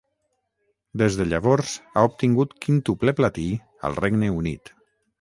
Des de llavors, ha obtingut quíntuple platí al Regne Unit.